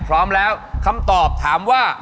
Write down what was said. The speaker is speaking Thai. พร้อมแล้วคำตอบถามว่า